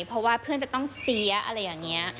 เพราะว่าเพื่อนจะต้องเสียอะไรอย่างนี้